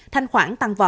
thanh khoản tăng vọt